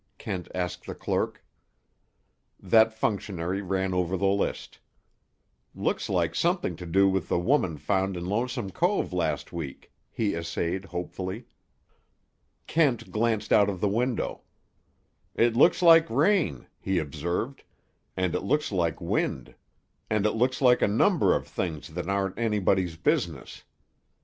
Kent asked the clerk. That functionary ran over the list. "Looks like something to do with the woman found in Lonesome Cove last week," he essayed hopefully. Kent glanced out of the window. "It looks like rain," he observed, "and it looks like wind. And it looks like a number of things that are anybody's business.